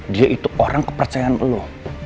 dia itu orang kepercayaan lo